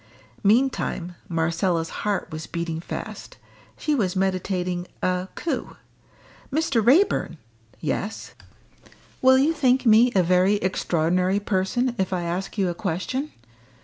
Meantime Marcella's heart was beating fast. She was meditating a coup. "Mr. Raeburn!" "Yes!" "Will you think me a very extraordinary person if I ask you a question?